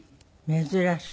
珍しい。